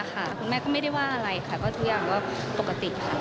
คุณแม่ก็ไม่ได้ว่าอะไรค่ะก็ทุกอย่างก็ปกติค่ะ